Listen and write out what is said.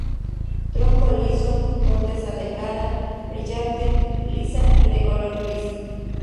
Tronco liso, corteza delgada, brillante, lisa y de color gris.